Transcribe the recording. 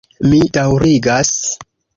Mi daŭrigas.